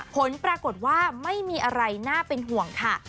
ผลปรากฏว่าไม่มีอะไรน่าเป็นห่วงค่ะ